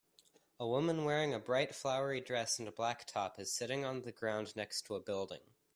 A woman wearing a bright flowery dress and a black top is sitting on the ground next to a building